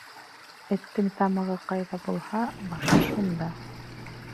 Эттең тамағы ҡайҙа булһа, башы шунда.